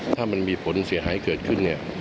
ถ้ามันมีผลเสียหายเกิดขึ้นเนี่ย